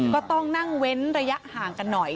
ก็ต้องนั่งเว้นระยะห่างกันหน่อย